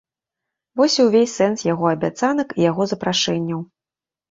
Вось і ўвесь сэнс яго абяцанак і яго запрашэнняў.